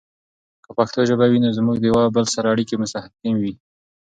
که پښتو ژبه وي، نو زموږ د یوه بل سره اړیکې مستحکم وي.